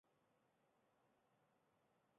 福隆省是越南曾经设立的一个省。